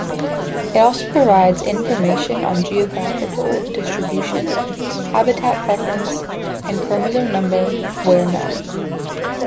It also provides information on geographical distribution, habitat preference, and chromosome number, where known.